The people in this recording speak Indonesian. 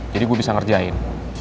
jadi gue bisa ngerjain